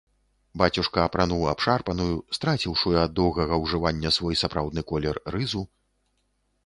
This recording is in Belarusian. Бацюшка апрануў абшарпаную, страціўшую ад доўгага ўжывання свой сапраўдны колер, рызу.